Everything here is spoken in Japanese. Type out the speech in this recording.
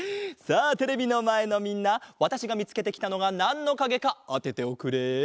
さあテレビのまえのみんなわたしがみつけてきたのがなんのかげかあてておくれ。